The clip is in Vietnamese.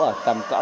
ở cầm cỡ